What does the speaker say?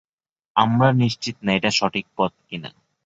আমরা নিশ্চিত না এটা সঠিক পথ কিনা।